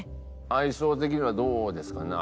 相性的にはどうですかね？